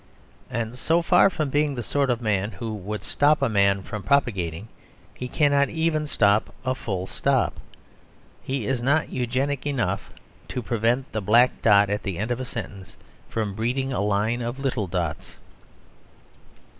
And so far from being the sort of man who would stop a man from propagating, he cannot even stop a full stop. He is not Eugenic enough to prevent the black dot at the end of a sentence from breeding a line of little dots.